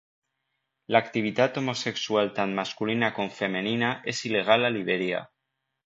L'activitat homosexual tant masculina com femenina és il·legal a Libèria.